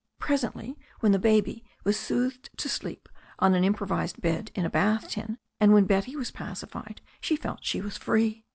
Presently, when the baby was soothed to sleep on an improvised bed in a bath tin, and when Betty was pacified, she felt she was free.